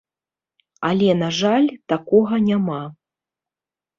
Але на жаль такога няма.